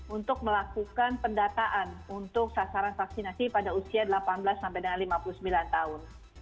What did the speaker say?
untuk melakukan pendataan untuk sasaran vaksinasi pada usia delapan belas sampai dengan lima puluh sembilan tahun